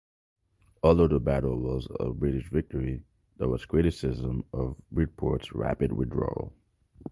Although the battle was a British victory, there was criticism of Bridport's rapid withdrawal.